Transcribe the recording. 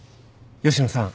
吉野さん。